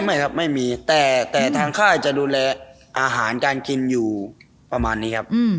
ไม่ครับไม่มีแต่ทางค่ายจะดูแลอาหารการกินอยู่ประมาณนี้ครับ